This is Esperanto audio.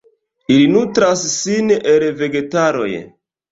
Ili nutras sin el vegetaloj.